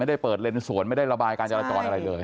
ไม่ได้เปิดเลนสวนไม่ได้ระบายการจราจรอะไรเลย